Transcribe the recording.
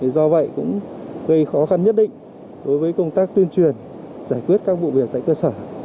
do vậy cũng gây khó khăn nhất định đối với công tác tuyên truyền giải quyết các vụ việc tại cơ sở